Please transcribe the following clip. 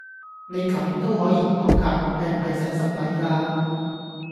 你咁都可以唔合格，係唔係食塞米架！